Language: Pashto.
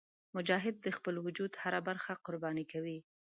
مجاهد د خپل وجود هره برخه قرباني کوي.